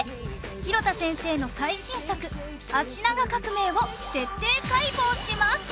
廣田先生の最新作『脚長革命』を徹底解剖します